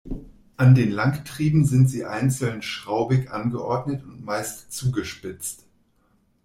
An den Langtrieben sind sie einzeln schraubig angeordnet und meist zugespitzt.